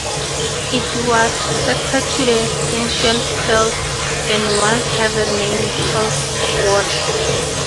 It was sacred to the ancient Celts, and once had the name "elfwort".